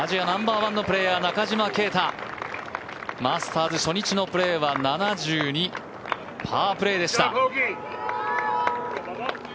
ナンバーワンのプレーヤー・中島啓太マスターズ初日のプレーは７２、パープレーでした。